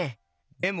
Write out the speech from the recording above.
でも？